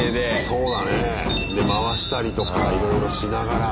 そうだね。で回したりとかいろいろしながら。